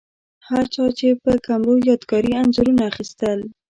هرچا یې په کمرو یادګاري انځورونه اخیستل.